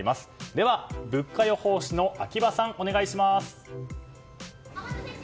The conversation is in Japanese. では、物価予報士の秋葉さんお願いします！